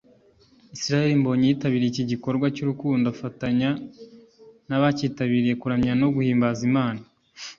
Israel Mbonyi yitabiriye iki gikorwa cy'urukundo afatanya n'abakitabiriye kuramya no guhimbaza Imana